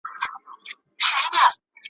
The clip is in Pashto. زما غویی که په منطقو پوهېدلای `